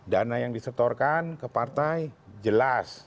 dana yang disetorkan ke partai jelas